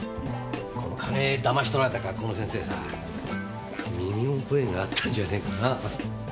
この金騙し取られた学校の先生さ身に覚えがあったんじゃねぇかな。